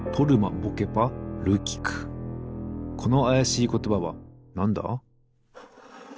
このあやしいことばはなんだ？